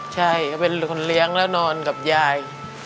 ใช่เขาเป็นคนเลี้ยงแล้วนอนกับยาย